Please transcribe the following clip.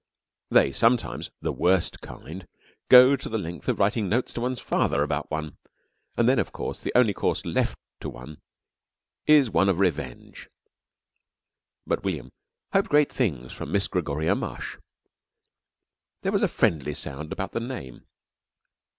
They sometimes the worst kind go to the length of writing notes to one's father about one, and then, of course, the only course left to one is one of Revenge. But William hoped great things from Miss Gregoria Mush. There was a friendly sound about the name.